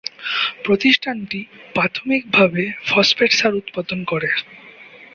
প্রতিষ্ঠানটি প্রাথমিকভাবে ফসফেট সার উৎপাদন করে।